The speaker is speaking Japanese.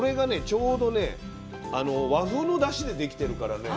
ちょうどね和風のだしで出来てるからね